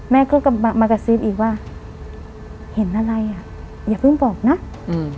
แม่ก็กลับมามากระซิบอีกว่าเห็นอะไรอ่ะอย่าเพิ่งบอกนะอืม